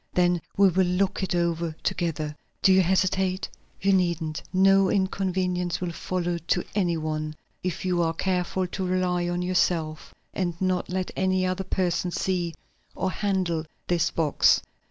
Then we will look it over together. Do you hesitate? You needn't; no inconvenience will follow to any one, if you are careful to rely on yourself and not let any other person see or handle this box."